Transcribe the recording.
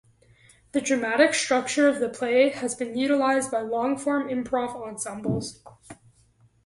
The dramatic structure of the play has been utilized by longform improv ensembles.